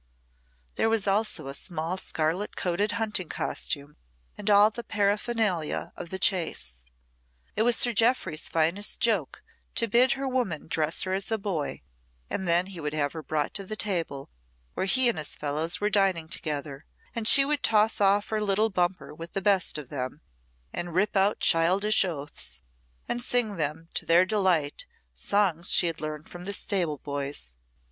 There was also a small scarlet coated hunting costume and all the paraphernalia of the chase. It was Sir Jeoffry's finest joke to bid her woman dress her as a boy, and then he would have her brought to the table where he and his fellows were dining together, and she would toss off her little bumper with the best of them, and rip out childish oaths, and sing them, to their delight, songs she had learned from the stable boys.